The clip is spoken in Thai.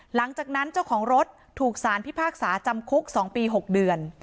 หลังจากนั้นเจ้าของรถถูกสารพิพากษาจำคุก๒ปี๖เดือน